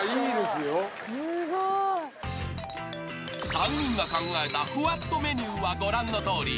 ［３人が考えたふわっとメニューはご覧のとおり］